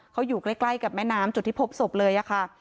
เขาอยู่ใกล้กับแม่น้ำจุดที่พบศพเลยค่ะ